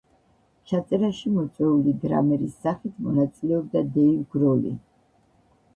ჩაწერაში მოწვეული დრამერის სახით მონაწილეობდა დეივ გროლი.